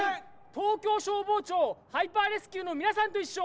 東京消防庁ハイパーレスキューのみなさんといっしょ。